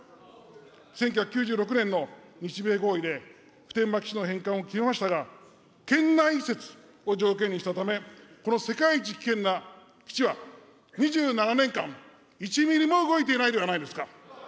１９９６年の日米合意で、普天間基地の返還を決めましたが、県内移設を条件にしたため、この世界一危険な基地は、２７年間、１ミリも動いていないではないですか。